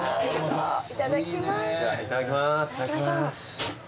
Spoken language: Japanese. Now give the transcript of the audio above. いただきます。